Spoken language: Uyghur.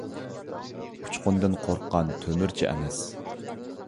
ئۇچقۇندىن قورققان تۆمۈرچى ئەمەس.